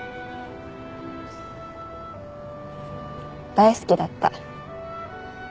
大好きだった。